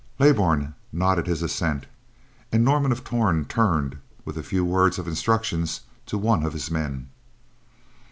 Leybourn nodded his assent, and Norman of Torn turned, with a few words of instructions, to one of his men.